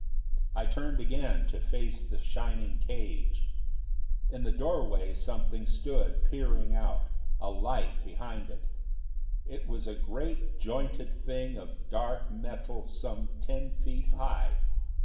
I turned again, to face the shining cage. In the doorway something stood peering out, a light behind it. It was a great jointed thing of dark metal some ten feet high.